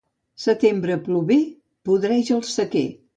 Setembre plover, podreix el sequer.